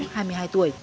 cùng chú huyện vị thủy